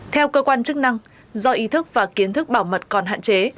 theo cơ quan chức năng do ý thức và kiến thức bảo mật còn hạn chế